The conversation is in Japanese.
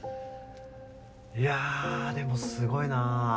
いやでもすごいな。